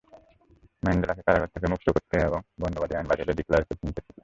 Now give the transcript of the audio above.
ম্যান্ডেলাকে কারাগার থেকে মুক্ত করতে এবং বর্ণবাদী আইন বাতিলে ডিক্লার্কের ভূমিকা ছিল।